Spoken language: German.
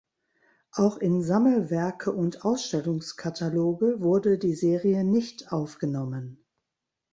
Auch in Sammelwerke und Ausstellungskataloge wurde die Serie nicht aufgenommen.